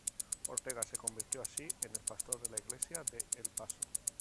Ortega se convirtió así en el pastor de la iglesia de El Paso.